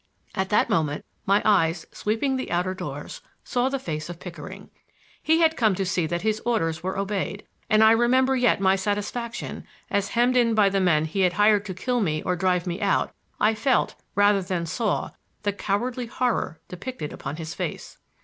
At that moment my eyes, sweeping the outer doors, saw the face of Pickering. He had come to see that his orders were obeyed, and I remember yet my satisfaction, as, hemmed in by the men he had hired to kill me or drive me out, I felt, rather than saw, the cowardly horror depicted upon his face.